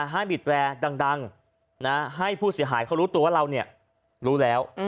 ให้บีดแรร์ดังให้ผู้เสียหายเขารู้ตัวว่าเรารู้แล้ว